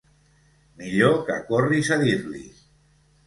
Millor que corris a dir-li.